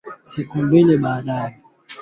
Ulemava wa miguu